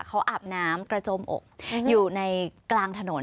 เขาอาบน้ำกระจมอกอยู่ในกลางถนน